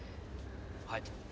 はい。